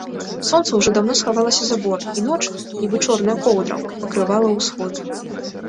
Сонца ўжо даўно схавалася за бор, і ноч, нібы чорная коўдра, пакрывала ўсход.